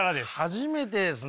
初めてですね。